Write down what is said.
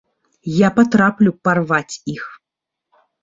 Я патраплю парваць іх.